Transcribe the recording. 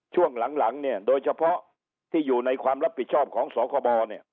ช่วงหลังโดยเฉพาะที่อยู่ในความรับผิดชอบของสคบ